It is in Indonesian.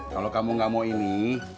kalau kamu gak mau ini